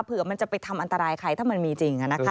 เผื่อมันจะไปทำอันตรายใครถ้ามันมีจริง